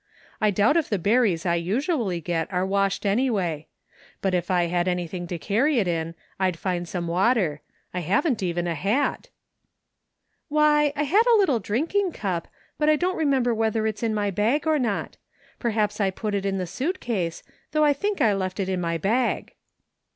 I doubt if the berries I usually get are washed anyway. But if I had anything to cany it in, I'd find some water. I haven't even a hat "" Why, I had a little drinking cup, but I don't re member whether it's in my bag or not. Perhaps I put it in the suit case, though I think I left it in my bag."